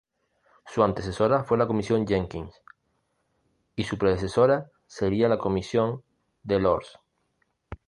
Su antecesora fue la Comisión Jenkins y su predecesora sería la Comisión Delors.